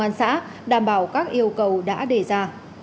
an xã đảm bảo các yêu cầu đã đề ra